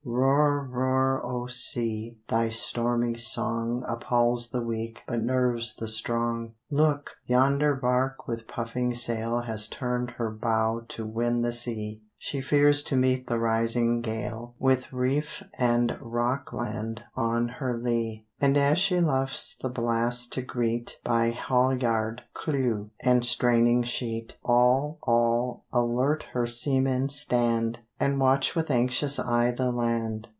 Roar, roar, O Sea! Thy stormy song Appalls the weak, but nerves the strong. Look! yonder bark with puffing sail Has turned her bow to win the sea; She fears to meet the rising gale With reef and rockland on her lee. And as she luffs the blast to greet, By halyard, clew, and straining sheet, All, all, alert her seamen stand, And watch with anxious eye the land.